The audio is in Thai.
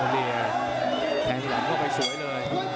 แผงที่หลังเข้าไปสวยเลย